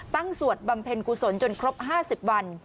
สวดบำเพ็ญกุศลจนครบ๕๐วัน